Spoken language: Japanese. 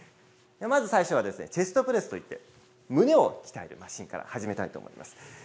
まず最初はチェストプレスといって胸を鍛えるマシーンから始めたいと思います。